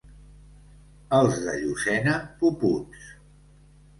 Els de Llucena, puputs.